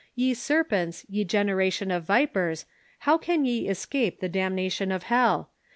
Ye serpents, ye generation of vi})ers, how can ye escape the damnation of hell